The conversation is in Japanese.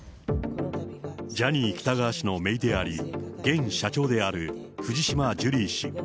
ジャニー喜多川氏の姪であり、現社長である藤島ジュリー氏。